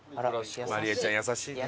まりえちゃん優しいね。